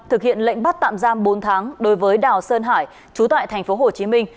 thực hiện lệnh bắt tạm giam bốn tháng đối với đào sơn hải chú tại tp hồ chí minh